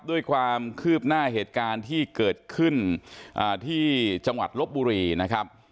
ด้วยความคืบหน้าเหตุการณ์ที่เกิดขึ้นที่จังหวัดลบบุรีนะครับ